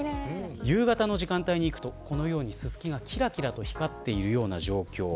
夕方の時間帯に行くとこのようにススキがきらきらと光っているような状況。